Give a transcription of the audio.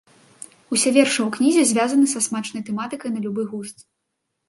Усе вершы ў кнізе звязаны са смачнай тэматыкай на любы густ.